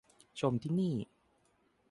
ชมที่นี่